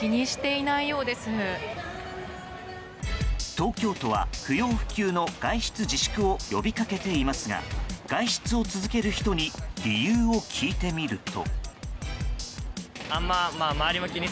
東京都は不要不急の外出自粛を呼び掛けていますが外出を続ける人に理由を聞いてみると。